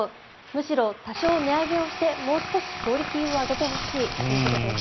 むしろ多少値上げをしてもう少しクオリティーを上げてほしいということです。